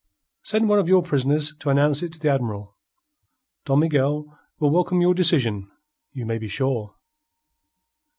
Send one of your prisoners to announce it to the Admiral. Don Miguel will welcome your decision, you may be sure."